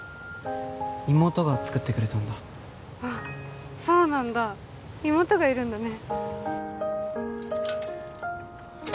妹が作ってくれたんだあっそうなんだ妹がいるんだね